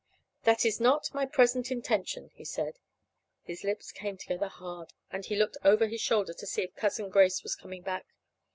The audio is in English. "That is not my present intention," he said. His lips came together hard, and he looked over his shoulder to see if Cousin Grace was coming back.